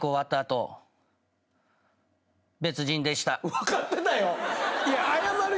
分かってたよ。